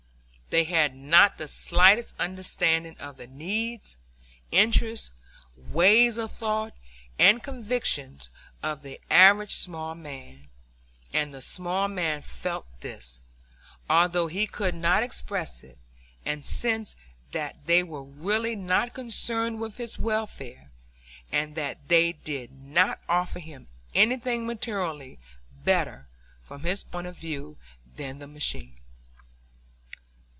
They had not the slightest understanding of the needs, interests, ways of thought, and convictions of the average small man; and the small man felt this, although he could not express it, and sensed that they were really not concerned with his welfare, and that they did not offer him anything materially better from his point of view than the machine.